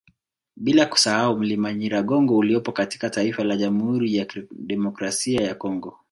Bila kusahau mlima Nyiragongo uliopo katika taifa la Jamhuri ya Kidemokrasia ya Congo